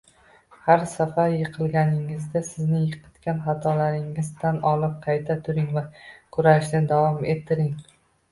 Har safar yiqilganingizda sizni yiqitgan xatolaringizni tan olib qayta turing va kurashni davom ettiring